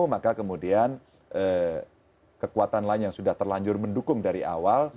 maka kemudian kekuatan lain yang sudah terlanjur mendukung dari awal